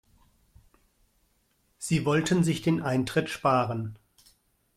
Sie wollten sich den Eintritt sparen.